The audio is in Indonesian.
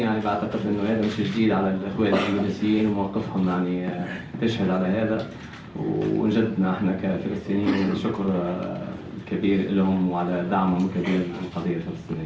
dan kita sebagai orang palestina kita berterima kasih banyak kepada mereka dan mereka yang membantu